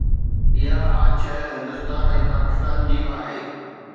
اها آڇ هندستان ۽ پاڪستان جي به آهي